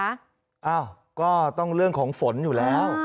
อ้าวก็ต้องเรื่องของฝนอยู่แล้ว